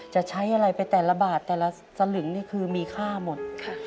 จะใช้อะไรไปแต่ละบาทแต่ละสลึงนี่คือมีค่าหมด